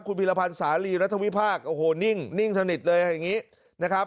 คุณพิรพันธ์สาลีรัฐวิพากษ์โอ้โหนิ่งสนิทเลยอย่างนี้นะครับ